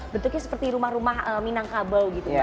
bentuknya seperti rumah rumah minangkabel gitu mbak